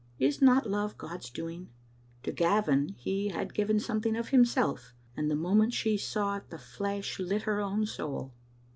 Is not love God's doing? To Gavin He had given something of Himself, and the moment she saw it the flash lit her own soul.